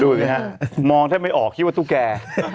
ดูดิฮะมองถ้าไม่ออกคิดว่าตู้แก่